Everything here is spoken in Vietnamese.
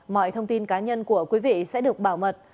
mọi thông tin cá nhân của quý vị sẽ được bảo mật